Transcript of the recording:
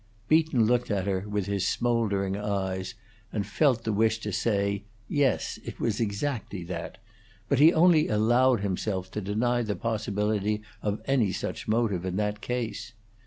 Beaton looked at her with his smouldering eyes, and felt the wish to say, "Yes, it was exactly that," but he only allowed himself to deny the possibility of any such motive in that case.